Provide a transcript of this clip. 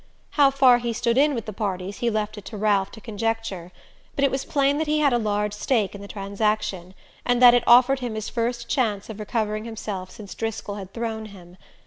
How far he "stood in" with the parties he left it to Ralph to conjecture; but it was plain that he had a large stake in the transaction, and that it offered him his first chance of recovering himself since Driscoll had "thrown" him.